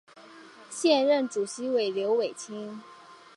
现任主席为刘伟清。